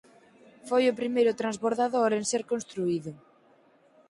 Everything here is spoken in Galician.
Foi o primeiro transbordador en ser construído.